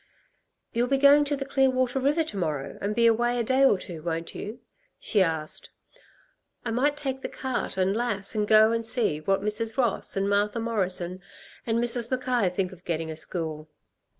"You'll be going to the Clearwater River to morrow, and be away a day or two, won't you?" she asked. "I might take the cart and Lass and go and see what Mrs. Ross and Martha Morrison and Mrs. Mackay think of getting a school."